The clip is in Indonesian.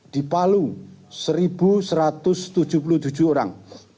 di palu satu satu ratus tujuh puluh tujuh orang